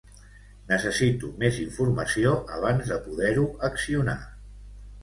Necessito més informació abans de poder-ho accionar.